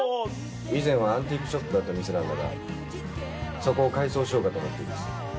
以前はアンティークショップだった店なんだがそこを改装しようかと思っています。